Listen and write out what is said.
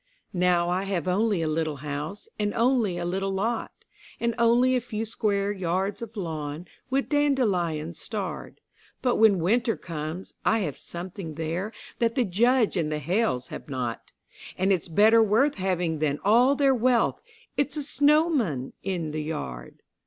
Now I have only a little house, and only a little lot, And only a few square yards of lawn, with dandelions starred; But when Winter comes, I have something there that the Judge and the Hales have not, And it's better worth having than all their wealth it's a snowman in the yard.